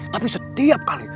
tapi setiap kali